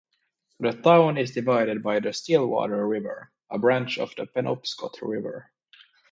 The town is divided by the Stillwater River, a branch of the Penobscot River.